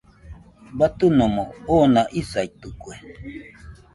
Batɨnomo oona isaitɨkue.